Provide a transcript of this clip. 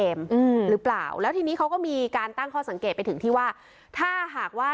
อืมหรือเปล่าแล้วทีนี้เขาก็มีการตั้งข้อสังเกตไปถึงที่ว่าถ้าหากว่า